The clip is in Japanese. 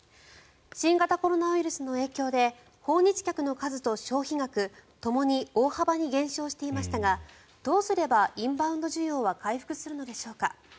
新型コロナウイルスの影響で訪日客の数と消費額ともに大幅に減少していましたがどうすればインバウンド需要は回復するのでしょうか。